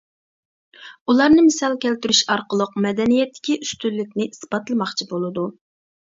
ئۇلارنى مىسال كەلتۈرۈش ئارقىلىق مەدەنىيەتتىكى ئۈستۈنلۈكىنى ئىسپاتلىماقچى بولىدۇ.